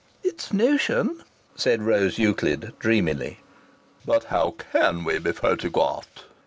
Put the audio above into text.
"It's a notion," said Rose Euclid, dreamily. "But how can we be photographed?"